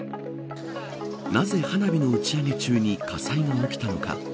なぜ、花火の打ち上げ中に火災が起きたのか。